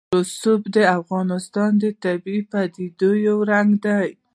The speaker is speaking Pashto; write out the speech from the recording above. رسوب د افغانستان د طبیعي پدیدو یو رنګ دی.